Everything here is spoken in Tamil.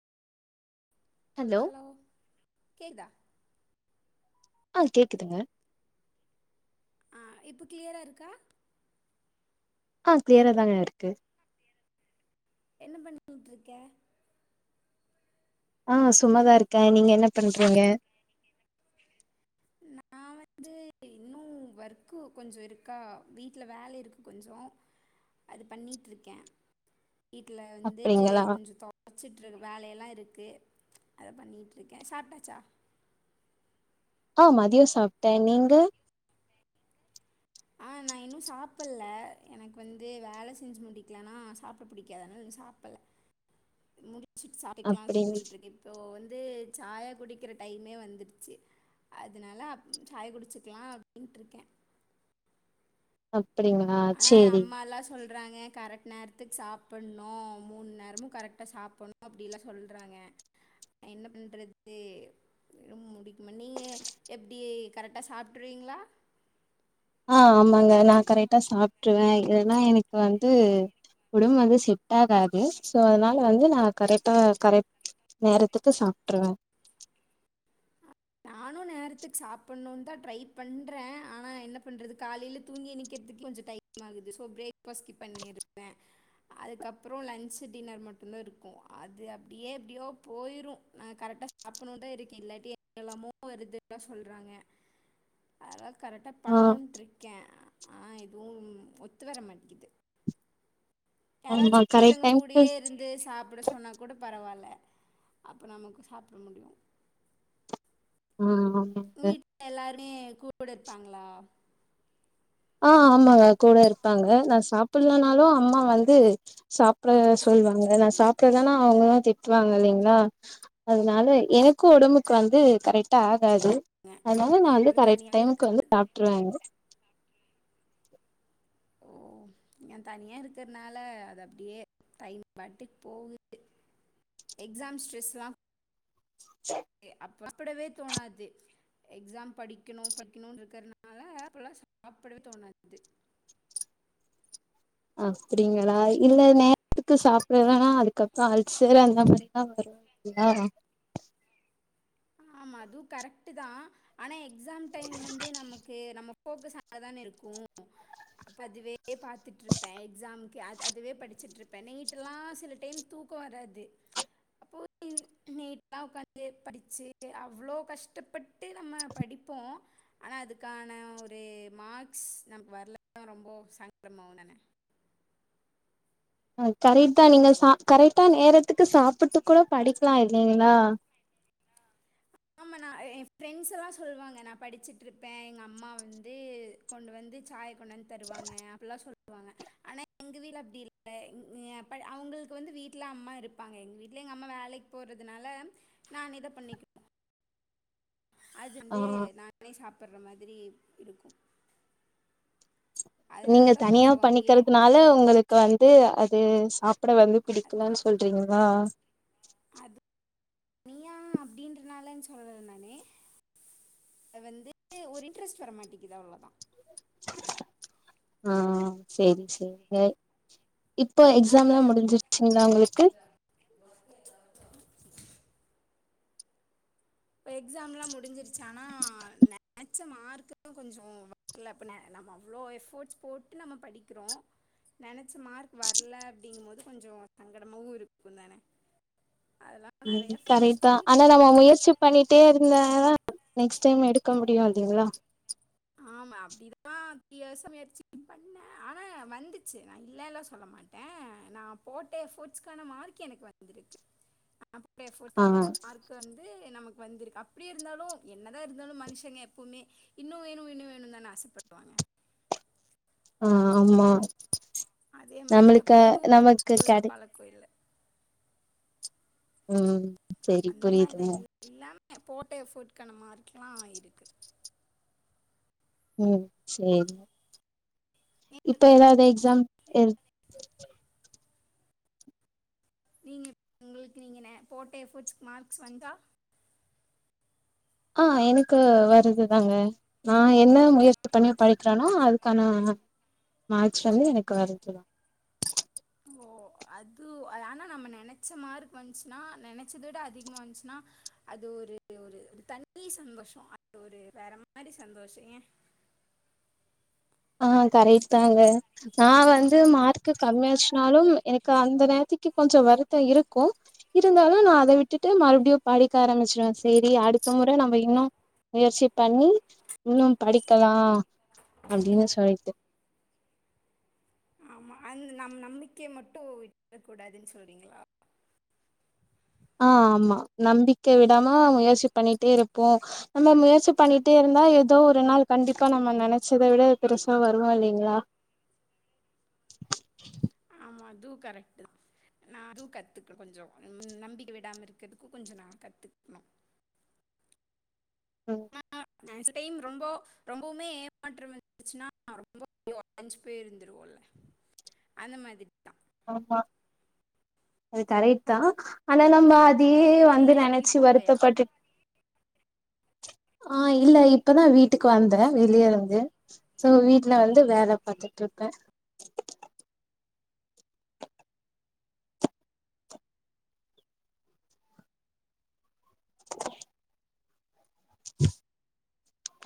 ஹலோ கேக்தா ஆ கேக்குதுங்க ஆ இப்ப க்ளியரா இருக்கா அ க்ளியரா தாங்க இருக்கு என்ன பண்ணிட்டுருக்க ஆ சும்மாதா இருக்க நீங்க என்ன பண்றீங்க நா வந்து இன்னு ஒர்க்கு கொஞ்ச இருக்கா வீட்டுல வேல இருக்கு கொஞ்ச அது பண்ணிட்டு இருக்க வீட்டுல வந்து அப்டிங்களா கொஞ்ச வச்சட்டுருக்கு வேலையெல்லா இருக்கு அத பண்ணிகிட்டுருக்க சாப்ட்டாச்சா ஆ மதிய சாப்ட்ட நீங்க ஆ நா இன்னும் சாப்ட்ல எனக்கு வந்து வேல செஞ்சு முட்டிக்கலன்னா சாப்ப சாப்ட பிடிக்காது அதுனால இன்னு சாப்ட்டல முடிச்சு சாப்டுக்கலாம்னு அப்டிங் சொல்லிட்டு இருக்க இப்போ வந்து சாயா குடிக்கிற டைமே வந்துருச்சு அதனால அப் சாய் குடிச்சக்கலா அப்டின்ட்டுருக்க அப்டிங்களா அஹ சேரி அம்மா எல்லா சொல்றாங்க கரெக்ட் நேரத்துக்கு சாப்டணும் மூணு நேரமு கரெக்டா சாப்டணும் அப்டி எல்லா சொல்றாங்க என்ன பண்றது [unintelligible] நீங்க எப்டி கரெக்டா சாப்டுருவீங்களா ஆஹ் ஆமாங்க நா கரெக்டா சாப்ட்டுருவ ஏன்னா எனக்கு வந்து உடம்பு வந்து செட் ஆகாது ஸோ அதனால வந்து நா கரெக்டா கரெக் நேரத்துக்கு சாப்ட்டுருவ நானு நேரத்துக்கு சாப்ட்ன்னு தா ட்ரை பண்ற ஆனா என்ன பண்றது காலையில தூங்கி எந்திகிறதுக்கு கொஞ்ச டைம் டைம் ஆகுது சோ பிரரேக் ஃபாஸ்ட் ஸ்கிப் பண்ணிருவ அதுக்கப்பற லன்்சு டின்னர் மட்டு்தா இருக்கும் அது அப்டியே எப்டியோ போயிடு நாங்க கரெக்டா சாப்பணு தா இருக்க இல்லாட்டி என்ன எல்லாமோ வருதுல்லா சொல்றாங்க அதுலா கரெக்டா ஆ பண்ணணும்ட்டு இருக்க ஆனா எதுவு ஒத்து வர மாட்டிங்கிது ஆமா யாராச்சும் கரெக்ட் ஒருத்தங்க டைம்க்கு கூடயே இருந்து சாப்ட சொன்னா கூட பரவாயில்ல அப்போ நமக்கு சாப்ட முடியும் ம் வீட்டு்ல எல்லாருமே கூட இருப்பாங்களா ஆஹ் ஆமா கூட இருப்பாங்க நா சாப்புடலனாலு அம்மா வந்து சாப்ட சொல்லுவாங்க நா சாப்பு டதானா ஆவுனு இல்லன்னா திட்டுராங்க இல்லிங்களா அதனால எனக்கும் உடம்புக்கு வந்து கரெக்டா ஆகாது ங்க அதனால நா வந்து அப்புறோ கரெக்ட் தனியாவே இருக்க டைமுக்கு வந்து சாப்பிட்டுருவேங்க ஓ நா தனியா இருக்கிறதுனால அது அப்டியே டைம் பாட்டுக்கு போகு எக்ஸாம் ஸ்ட்ரெஸ்லா சரி அப்ப சாப்டவே தோணாது எக்ஸாம் படிக்கணு படிக்கணு இருக்கிறதுனால அப்பல்லா சாப்டவே தோணாது அப்டிங்களா இல்ல நேரத்துக்கு சாப்டுறது இல்லன்னா அதுக்கப்பற அல்சர் அந்த மாரிதா வரு அப்டியா ஆமா அதுவும் கரெக்டு தா ஆனா எக்ஸாம் டைம் வந்து நமக்கு நம்ம ஃபோகஸ் அங்க தான இருக்கும் அப்ப அதுவே பாத்துட்டு இருப்ப எக்ஸாம்க்கு அதுவே அதுவே படிச்சுட்டு இருப்ப நைட்டு எல்லா சில டைம் தூ க வராது அப்போ நைட்லா ஒக்காந்து படிச்சு அவ்வளோ கஷ்டப்பட்டு நம்ம படிப்போ அனா அதுக்கான ஒரு மார்க்ஸ் நமக்கு வரலனா ரொம்ப சங்கடம்மாவும் தானே அ கரெக்ட்ட தான் நீங்க சா கரெக்ட்டா நேரத்துக்கு சாப்ட்டு கூட படிக்கலாம் இல்லைங்களா ஆமா நான் என் ஃரெண்ட்ஸ் எல்லா சொல்லுவாங்க நான் படிச்சுட்டு இருப்பேன் எங்க அம்மா வந்து கொண்டு வந்து சாய் கொண்டு வந்து தருவாங்க அப்டில்லாம் சொல்லுவாங்க ஆனா எங்கள் வீட்ல அப்டி இல்ல எ அப்ப அவங்களுக்கு வந்து வீட்ல அம்மா இருப்பாங்க எங்க வீட்ல எங்க அம்மா வேலைக்கு போறதுனால நான்தா பண்ணிக்கு அது ஆ வந்து நானே சாப்டுற மாரி இருக்கும் அதனால நீங்க தான் தனியா கொஞ்சம் அப்படியே பண்ணிக்கிறதுனால உங்களுக்கு வந்து அது சாப்பிட வந்து அது பிடிக்கலனு சொல்றீங்களா அது தனியா அப்டின்றனால சொல்லல நானு அத வந்து ஒரு இன்ட்ரெஸ்ட் வர மாட்டேக்குது அவ்ளோதான் ஆ செரி செரி செர் இப்போ எக்ஸாம் நம்ம எல்லாம் முடிஞ்சிருச்சுங்களா உங்களுக்கு இப்போ எக்ஸாம் எல்லாம் முடிஞ்சிருச்சு ஆனா நெனச்ச மார்க்குதா கொஞ்சம் இல்ல அப்ப ந நம்ம அவ்ளோ எஃபர்ட்ஸ் போட்டு நம்ம படிக்கிறோ நெனைச்ச மார்க் வரல அப்படிங்கும் போது கொஞ்சம் சங்கடமாவும் இருக்கும் தானே அதெல்லா நெறையா ஃபேஸ் கரெக்ட்தா ஆனா பண்ணியிருக்கே நம்ம முயற்சி பண்ணிட்டே இருந்த தான் நெக்ஸ்ட் டைம் எடுக்க முடியும் இல்லைங்களா ஆமா அப்டிதான் த்ரீ ஏர்ஸ்ஸ முயற்சி பண்ணேன் ஆனா வந்துச்சு நான் இல்லன்ல சொல்ல மாட்டேன் ஆ நான் போட்ட எஃபட்ஸ்கான மார்க் எனக்கு வந்திருக்கு நா போட்ட ஆ எஃபர்ட்ஸ்கான மார்க் வந்து நமக்கு வந்திருக்கு அப்டி இருந்தாலும் என்ன தான் இருந்தாலும் மனுஷங்க எப்போமே இன்னு வேணு இன்னும் வேணும்னு தானே ஆசைப்படுவாங்க ஆ ஆமா அதே நம்மளுக்க நமக்கு கட கோயில ம் அ சரி அந்த மாரி புரியுதுங்க தான் எல்லாமே போட்ட எஃபோட்கான மார்க்லா இருக்கு ம் சேரி இப்ப ஏதாவது நீ- எக்ஸாம் எ நீங்க உங்களுக்கு நீங்க ந போட்ட எஃபர்ட்ஸ்கு மார்க்ஸ் வந்தா ஆ எனக்கு வருது தாங்க நான் என்ன முயற்சி பண்ணி படிக்கிறானோ அதுக்கான மார்கஸ் வந்து எனக்கு வருது ஓ அது ஆனா நம்ம நெனைச்ச மார்க் வந்துச்சுன்னா நெனைச்சத விட அதிகமா வந்துச்சுன்னா அது ஒரு ஒரு தணி சந்தோஷம் அது ஒரு வேற மாரி சந்தோஷம் ஏன் ஆ கரக்ட் தாங்க நான் வந்து மார்க்கு கம்மியாச்சுனாலும் எனக்கு அந்த நேரத்துக்கு கொஞ்சம் வருத்தம் இருக்கும் இருந்தாலும் நான் அத விட்டுட்டு மறுபடியும் படிக்க ஆரம்பிச்சிருவேன் செரி அடுத்த முறை நம்ம இன்னும் முயற்சி பண்ணி இன்னும் படிக்கலா அப்டின்னு சொல்லிட்டு அந்த நம் நம்பிக்கையை மட்டு விட்ராக் கூடாதுன்னு சொல்றீங்களா ஆ ஆமா நம்பிக்கை விடாம முயற்சி பண்ணிட்டே இருப்போம் நம்ம முயற்சி பண்ணிட்டே இருந்தா ஏதோ ஒரு நாள் கண்டிப்பா நம்ம நெனச்சதை விட பெருசா வருவோம் இல்லைங்களா ஆமா அதுவு கரெக்ட் நா அதுவு கத்துக்ணு கொஞ்சோ நம்பிக்க விடாம இருக்கிறதுக்கு கொஞ்ச நா கத்துக்ணு ம் அ இந்த டைம் ரொம்போ ரொம்போமே ஏமாற்றம் வந்துச்சுன்னா ரொம்ப உடஞ்சு பேய் இருந்துருவோல அந்த மாதிரி தா ஆமா அது கரெக்ட் தா ஆனா நம்ம அதையே வந்து வெளியெல்லா எங்கேயு நெனச்சு போலையா வருத்தப்பட்டுட் ஆ இல்ல இப்பதா வீட்டுக்கு வந்த வெளிய இருந்து சோ வீட்ல வந்து வேல பாத்துட்ருப்பே